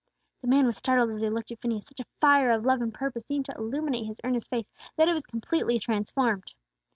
The man was startled as he looked at Phineas; such a fire of love and purpose seemed to illuminate his earnest face that it was completely transformed.